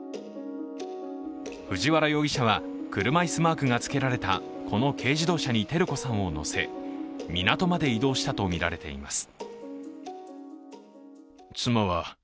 藤原容疑者は車椅子マークがつけられたこの軽自動車に照子さんを乗せ、港まで移動したとみられています。